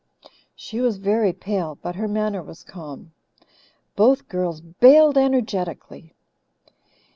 She was very pale, but her manner was calm. Both girls bailed energetically.